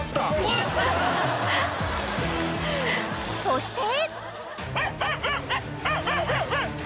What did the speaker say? ［そして］